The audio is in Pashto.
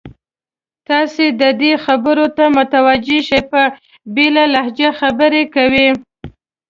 تاسې د ده خبرو ته متوجه شئ، په بېله لهجه خبرې کوي.